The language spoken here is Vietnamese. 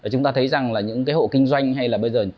chúng ta thấy rằng là những cái hộ kinh doanh hay là bây giờ